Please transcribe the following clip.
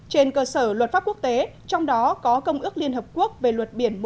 trên cơ sở luật pháp quốc tế trong đó có công ước liên hợp quốc về luật biển một nghìn chín trăm tám mươi